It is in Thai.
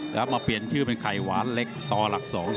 แล้วมาเปลี่ยนชื่อเป็นไข่หวานเล็กต่อหลัก๒